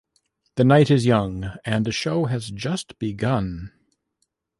The night is young, and the show has just begun.